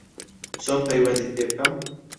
چۆن پەیوەندیت پێ بکەم